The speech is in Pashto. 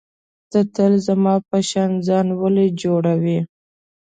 ته تل زما په شان ځان ولي جوړوې.